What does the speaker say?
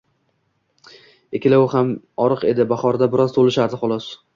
Ikkovi ham oriq edi, bahorda biroz to’lishardi, xolos.